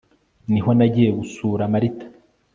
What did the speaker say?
ni ho nagiye gusura martha